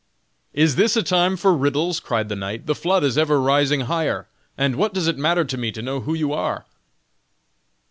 "Is this a time for riddles?" cried the knight. "The flood is ever rising higher, and what does it matter to me to know who you are?"